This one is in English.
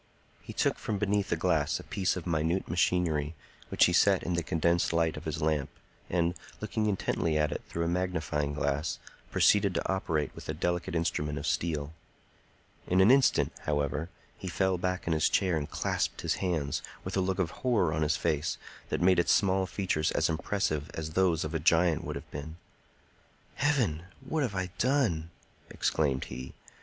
He took from beneath a glass a piece of minute machinery, which he set in the condensed light of his lamp, and, looking intently at it through a magnifying glass, proceeded to operate with a delicate instrument of steel. In an instant, however, he fell back in his chair and clasped his hands, with a look of horror on his face that made its small features as impressive as those of a giant would have been. "Heaven! What have I done?" exclaimed he.